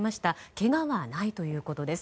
けがはないということです。